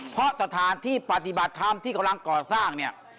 เพราะสถานที่ปฏิบัติธรรมที่กำลังก่อสร้างเนี่ย